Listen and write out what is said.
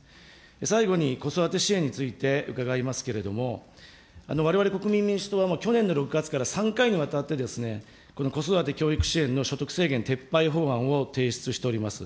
最後に、子育て支援について伺いますけれども、われわれ国民民主党は、去年の６月から３回にわたって、子育て教育支援の所得制限撤廃法案を提出しております。